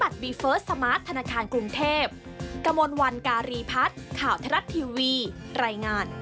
โดยไม่ต้องพกเงินสดสกุลต่างประเทศไว้